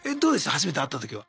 初めて会った時は。